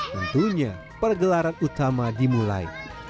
tentunya pergelaran utama dimulai